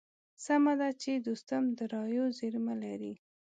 سمه ده چې دوستم د رايو زېرمه لري.